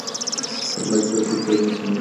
اخلاقي لارښود ټولنه سموي.